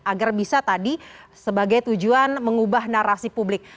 agar bisa tadi sebagai tujuan mengubah narasi publik